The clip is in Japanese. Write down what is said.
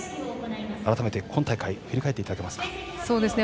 改めて今大会振り返っていただけますか。